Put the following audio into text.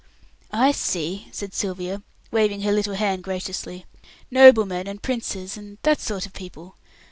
"I see," said Sylvia, waving her little hand graciously. "Noblemen and Princes and that sort of people.